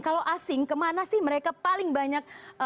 kalau asing kemana sih mereka paling banyak